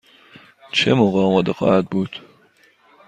چه موقع آماده خواهد بود؟